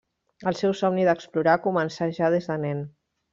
El seu somni d'explorar començà ja des de nen.